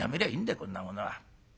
こんなものは。